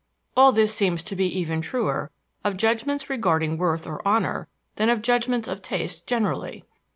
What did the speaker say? All this seems to be even truer of judgments regarding worth or honor than of judgments of taste generally.